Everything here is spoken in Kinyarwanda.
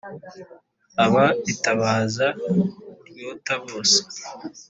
aba itabaza ryota bose.